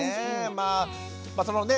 まあそのね